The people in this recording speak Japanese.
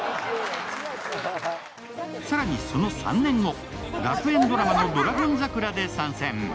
更にその３年後、学園ドラマの「ドラゴン桜」で参戦。